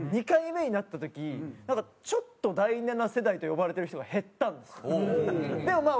２回目になった時なんかちょっと第七世代と呼ばれてる人が減ったんですよ。